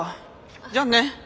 じゃあね。